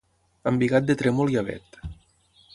Embigat de trèmol i avet.